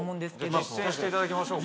実践していただきましょうか。